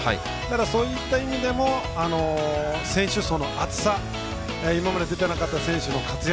そういった意味でも選手層の厚さ、今まで出ていなかった選手の活躍